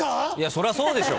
そりゃそうでしょ。